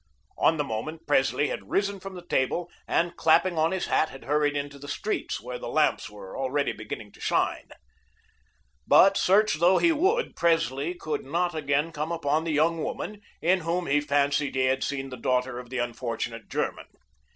On the moment, Presley had risen from the table and, clapping on his hat, had hurried into the streets, where the lamps were already beginning to shine. But search though he would, Presley could not again come upon the young woman, in whom he fancied he had seen the daughter of the unfortunate German.